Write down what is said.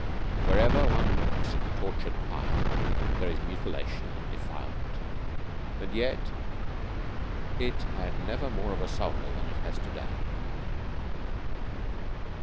Wherever one looks at the tortured pile there is mutilation and defilement, and yet it had never more of a soul than it has to day.